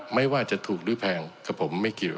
ไม่ว่าจะถูกหรือแพงกับผมไม่เกี่ยว